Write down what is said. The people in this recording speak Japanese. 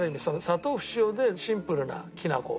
砂糖不使用でシンプルなきな粉。